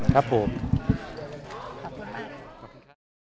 ครับผมค่ะ